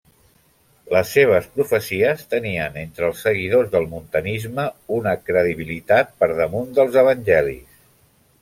Les seves profecies tenien entre els seguidors del montanisme una credibilitat per damunt dels evangelis.